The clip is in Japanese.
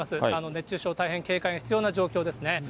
熱中症大変警戒が必要な状況ですね。